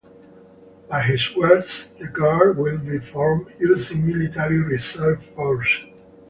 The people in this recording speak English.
By his words, the Guard will be formed using military reserve forces.